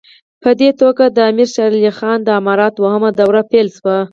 په دې توګه د امیر شېر علي خان د امارت دوهمه دوره پیل شوه.